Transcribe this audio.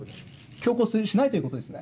強行しないということですね？